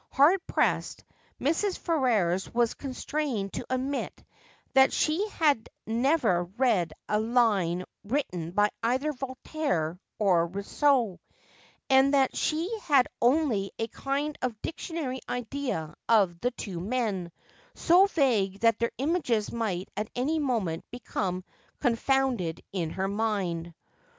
Hard pressed, Mrs. Ferrers was constrained to admit that she had never read a line written by either Voltaire or Rousseau, and that she had only a kind of dictionary idea of the two men, so vague that their images might at any moment become con founded in her mind.